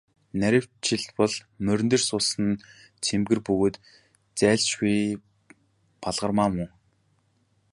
Нарийвчилбал, морин дээр суусан нь цэмцгэр бөгөөд зайлшгүй Балгармаа мөн.